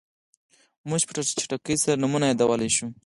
موږ په چټکۍ سره نومونه یادولی شو.